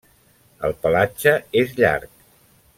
El pelatge és llarg.